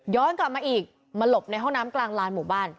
กลับมาอีกมาหลบในห้องน้ำกลางลานหมู่บ้าน